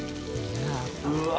うわ！